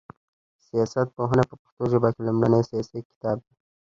سياست پوهنه په پښتو ژبه کي لومړنی سياسي کتاب دی